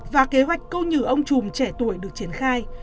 và kế hoạch câu nhừ ông trùm trẻ tuổi được triển khai